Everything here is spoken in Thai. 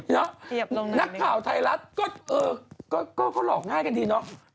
นักข่าวไทยรัฐก็เออก็หลอกง่ายกันดีเนาะ